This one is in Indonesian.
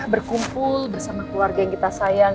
berkumpul bersama keluarga yang kita sayang